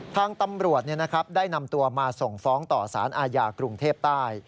ทางตำรวจได้นำตัวมาส่งฟ้องต่อสารอาญากรุงเทพใต้